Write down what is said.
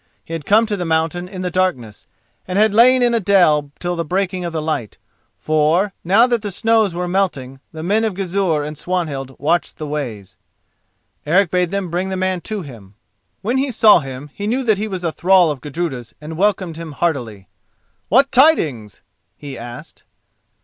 He had come to the mountain in the darkness, and had lain in a dell till the breaking of the light, for, now that the snows were melting, the men of Gizur and Swanhild watched the ways. Eric bade them bring the man to him. When he saw him he knew that he was a thrall of Gudruda's and welcomed him heartily. "What tidings?" he asked.